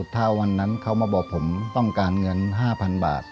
ถ้าวันนั้นเขามาบอกผมต้องการเงิน๕๐๐๐บาท